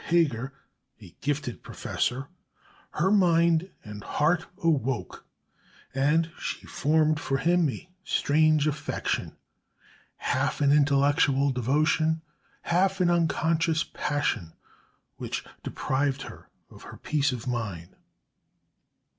Heger, a gifted professor, her mind and heart awoke, and she formed for him a strange affection, half an intellectual devotion, half an unconscious passion, which deprived her of her peace of mind.